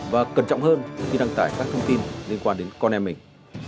và cẩn trọng hơn khi đăng tải các thông tin liên quan đến con em mình